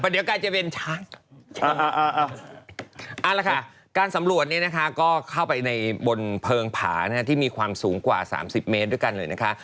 เอาละค่ะการสำรวจก็เข้าไปในบนเพลิงผาที่มีความสูงกว่า๓๐เมตรด้วยกันเลยนะคะ